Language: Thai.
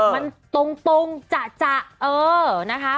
มันตรงจะเออนะคะ